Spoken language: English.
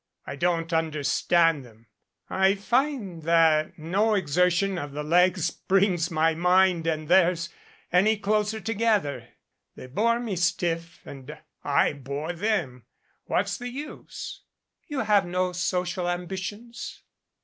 I don't understand them. I find that no exertion of the legs brings my mind and theirs any closer together. They bore me stiff and I bore them. What's the use?" "You have no social ambitions